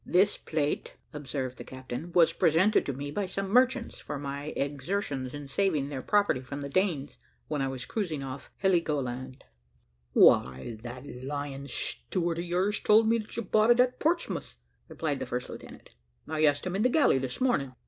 "This plate," observed the captain, "was presented to me by some merchants for my exertions in saving their property from the Danes, when I was cruising off Heligoland." "Why, that lying steward of yours told me that you bought it at Portsmouth," replied the first lieutenant: "I asked him in the galley this morning."